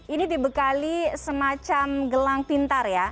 ini dibekali semacam gelang pintar ya